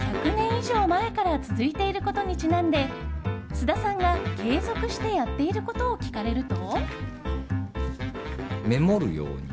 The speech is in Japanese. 以上前から続いていることにちなんで菅田さんが継続してやっていることを聞かれると。